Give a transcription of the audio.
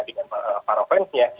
dengan para fansnya